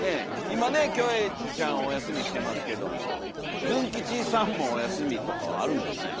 今ねキョエちゃんお休みしてますけどもズン吉さんもお休みとかはあるんですかね。